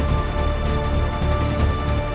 tidak ada yang bisa mengganggu